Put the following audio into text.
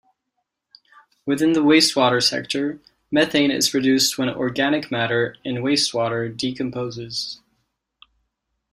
Within the wastewater sector, methane is produced when organic matter in wastewater decomposes.